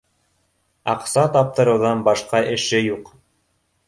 Аҡса таптырыуҙан башҡа эше юҡ